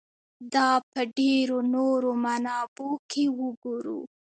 دا په ډېرو نورو منابعو کې وګورو.